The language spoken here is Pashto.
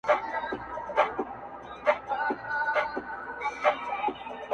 • ستا په صبر کي بڅری د پېغور دی -